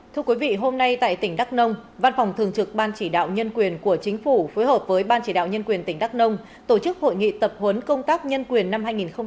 thưa quý vị hôm nay tại tỉnh đắk nông văn phòng thường trực ban chỉ đạo nhân quyền của chính phủ phối hợp với ban chỉ đạo nhân quyền tỉnh đắk nông tổ chức hội nghị tập huấn công tác nhân quyền năm hai nghìn một mươi chín